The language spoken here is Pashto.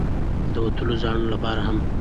او د تللو زاڼو لپاره هم